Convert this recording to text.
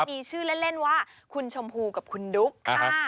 มีชื่อเล่นว่าคุณชมพูกับคุณดุ๊กค่ะ